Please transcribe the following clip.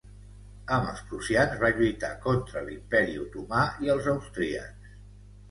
Amb els prussians va lluitar contra l'Imperi Otomà i els austríacs.